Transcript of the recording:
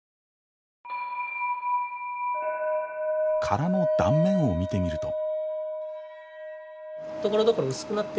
殻の断面を見てみると。